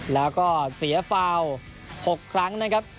แล้วก็เสียฟาว๖ครั้งนะครับ